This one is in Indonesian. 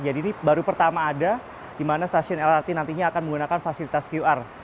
jadi ini baru pertama ada di mana stasiun lrt nantinya akan menggunakan fasilitas qr